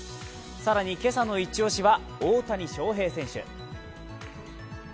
更に今朝のイチ押しは大谷翔平選手。